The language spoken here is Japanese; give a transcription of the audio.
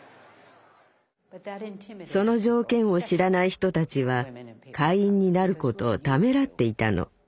その条件を知らない人たちは会員になることをためらっていたの。